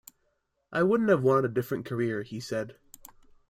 I wouldn't have wanted a different career, he said.